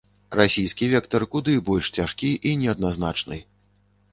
Расійскі вектар куды больш цяжкі і неадназначны.